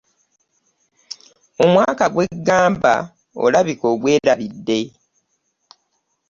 Omwaka gwe ŋŋamba olabika ogwerabidde.